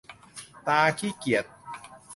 ตาขี้เกียจ !